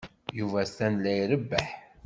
Yuba atan la irebbeḥ.